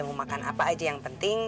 mau makan apa aja yang penting